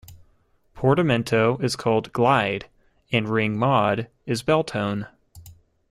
Portamento is called "Glide" and Ring Mod is "Bell Tone".